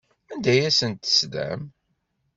Anda ay asent-teslam?